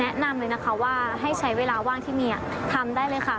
แนะนำเลยนะคะว่าให้ใช้เวลาว่างที่มีทำได้เลยค่ะ